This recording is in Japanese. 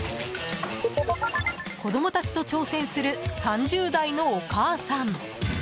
子供たちと挑戦する３０代のお母さん。